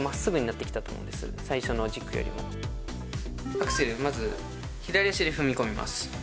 アクセルはまず、左足で踏み込みます。